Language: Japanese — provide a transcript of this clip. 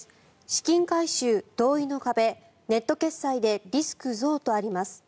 資金回収、同意の壁ネット決済でリスク増とあります。